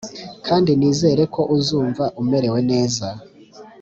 kandi nizere ko uzumva umerewe neza!